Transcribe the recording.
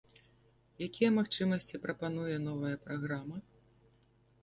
Якія магчымасці прапануе новая праграма?